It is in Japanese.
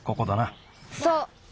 そう。